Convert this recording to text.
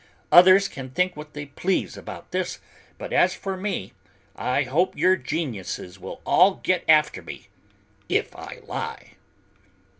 Others can think what they please about this, but as for me, I hope your geniuses will all get after me if I lie."